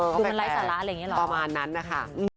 ประมาณนั้นนะคะ